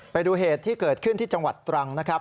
ไปดูเหตุที่เกิดขึ้นที่จังหวัดตรังนะครับ